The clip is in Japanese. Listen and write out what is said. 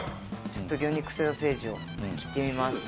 ちょっと魚肉ソーセージを切ってみます。